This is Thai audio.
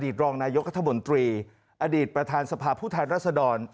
อดีตรองนายกข้าวมนตรีอดีตประธานทรภารผู้ท้านละสะดอน